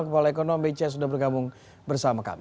kepala ekonomi bca sudah bergabung bersama kami